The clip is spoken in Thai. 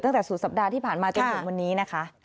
ตั้งแต่สุดสัปดาห์ที่ผ่านมาจนถึงวันนี้นะคะ